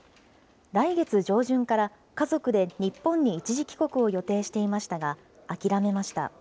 来月上旬から、家族で日本に一時帰国を予定していましたが、諦めました。